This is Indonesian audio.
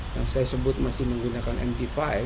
yang saya sebut masih menggunakan md lima